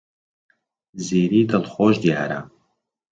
زیری دڵخۆش دیارە.